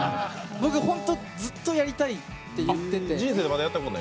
僕、本当にずっとやりたいって言ってて。